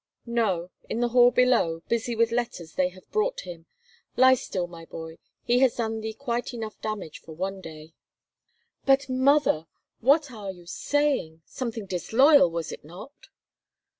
"No, in the hall below, busy with letters they have brought him. Lie still, my boy; he has done thee quite enough damage for one day." "But, mother, what are you saying! Something disloyal, was it not?"